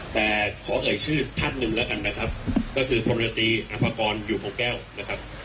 แต่ขอเอ่ยชื่อท่านหนึ่งแล้วกันนะครับก็คือพลตรีอภกรอยู่คงแก้วนะครับ